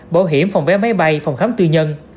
bảo hiểm phòng vé máy bay phòng khám tư nhân